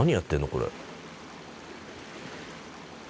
これ。